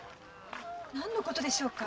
何のことでしょうか？